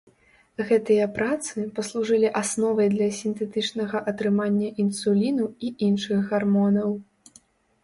Гэтыя працы паслужылі асновай для сінтэтычнага атрымання інсуліну і іншых гармонаў.